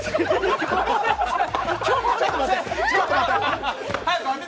ちょっと待って！